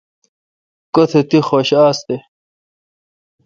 کوتھ تی حوشہ آستہ